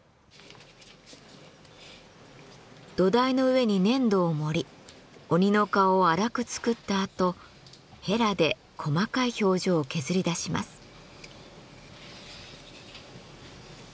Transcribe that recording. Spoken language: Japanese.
土台の上に粘土を盛り鬼の顔を粗く作ったあとヘラで細かい表情を削りだします。